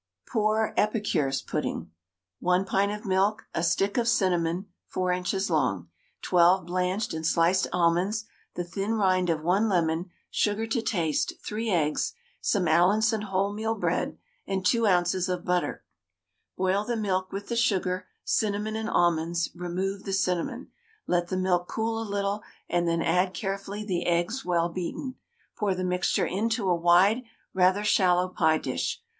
POOR EPICURE'S PUDDING. 1 pint of milk, a stick of cinnamon (4 inches long), 12 blanched and sliced almonds, the thin rind of 1 lemon, sugar to taste, 3 eggs, some Allinson wholemeal bread, and 2 oz. of butter. Boil the milk with the sugar, cinnamon, and almonds; remove the cinnamon, let the milk cool a little, and then add carefully the eggs well beaten. Pour the mixture into a wide, rather shallow pie dish.